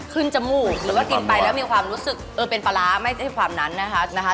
จมูกหรือว่ากินไปแล้วมีความรู้สึกเออเป็นปลาร้าไม่ใช่ความนั้นนะคะ